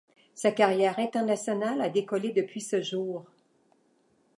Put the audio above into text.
Sa carrière internationale a décollé depuis ce jour.